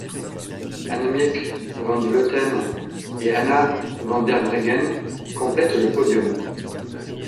Annemiek van Vleuten et Anna van der Breggen complètent le podium.